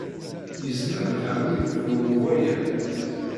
Yezmer lḥal ur yettdumu waya.